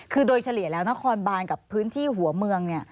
คือโดยเฉลี่ยแล้วนครบานกับพื้นที่หัวเมือง